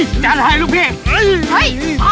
น่าได้ลูกพี่